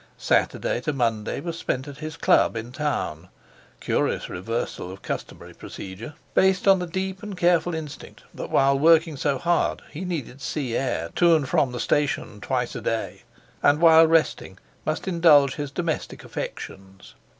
Saturday to Monday was spent at his Club in town—curious reversal of customary procedure, based on the deep and careful instinct that while working so hard he needed sea air to and from the station twice a day, and while resting must indulge his domestic affections.